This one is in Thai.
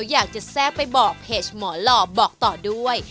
อยากจะแทรกไปบอกเพจหมอหล่อบอกต่อด้วย